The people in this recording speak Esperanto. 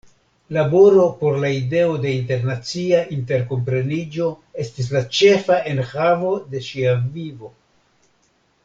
Laboro por la ideo de internacia interkompreniĝo estis la ĉefa enhavo de ŝia vivo.